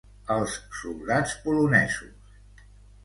Els soldats polonesos.